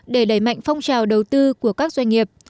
để đẩy mạnh phong trào đầu tư của các doanh nghiệp